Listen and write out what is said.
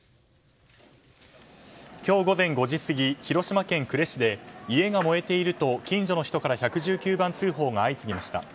今日午前５時過ぎ広島県呉市で家が燃えていると、近所の人から１１９番通報が相次ぎました。